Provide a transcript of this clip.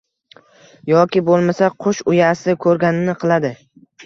Yoki bo‘lmasa, «Qush uyasida ko‘rganini qiladi»